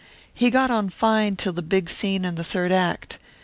"He got on fine till the big scene in the third act.